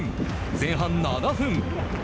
前半７分。